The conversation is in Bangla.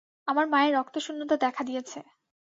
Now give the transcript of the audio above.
আমার মায়ের রক্তশুন্যতা দেখা দিয়েছে।